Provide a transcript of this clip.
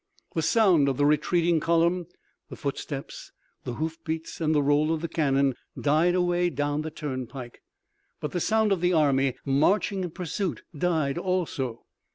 The sound of the retreating column, the footsteps, the hoof beats and the roll of the cannon, died away down the turnpike. But the sound of the army marching in pursuit died, also.